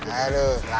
aduh laris manis